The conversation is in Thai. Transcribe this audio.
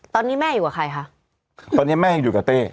ตอนนี้แม่อยู่กับใครคะตอนนี้แม่ยังอยู่กับเต้